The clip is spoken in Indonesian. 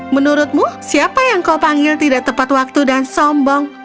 menurutmu siapa yang kau panggil tidak tepat waktu dan sombong